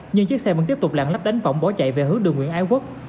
nhưng chiếc xe vẫn tiếp tục lạng lách đánh vỏng bỏ chạy về hướng đồng nguyễn ai quốc